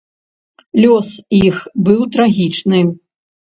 Лёс іх быў трагічны.